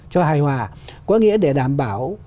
cho hài hòa có nghĩa để đảm bảo